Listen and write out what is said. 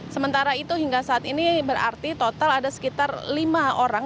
sementara itu hingga saat ini berarti total ada sekitar lima orang